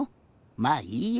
まあいいや。